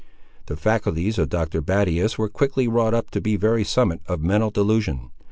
The faculties of Dr. Battius were quickly wrought up to the very summit of mental delusion.